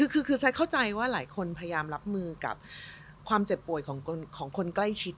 คือแซคเข้าใจว่าหลายคนพยายามรับมือกับความเจ็บป่วยของคนใกล้ชิด